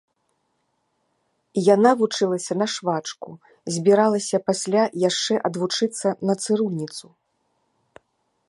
Яна вучылася на швачку, збіралася пасля яшчэ адвучыцца на цырульніцу.